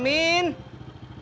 tidak ada apa apa